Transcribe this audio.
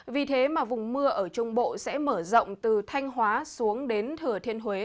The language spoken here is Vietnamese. vì thế mà vùng mưa ở trung bộ sẽ mở rộng từ thanh hóa xuống đến thừa thiên huế